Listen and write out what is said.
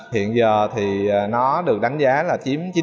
hiện giờ nó được đánh giá là chiếm chín